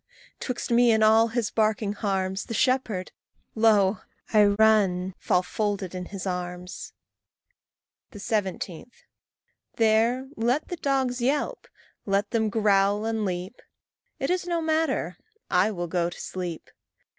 'twixt me and all his barking harms, The shepherd, lo! I run fall folded in his arms. 17. There let the dogs yelp, let them growl and leap; It is no matter I will go to sleep.